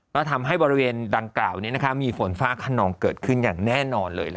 ก็ทำให้บริเวณดังกล่าวนี้มีฝนฟ้าขนองเกิดขึ้นอย่างแน่นอนเลย